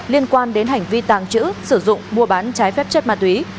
liên quan đến hành vi tàng trữ sử dụng mua bán trái phép chất ma túy